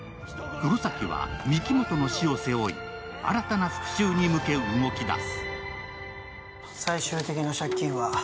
黒崎は御木本の死を背負い、新たな復しゅうに向け動き出す。